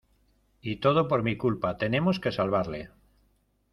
Y todo por mi culpa. Tenemos que salvarle .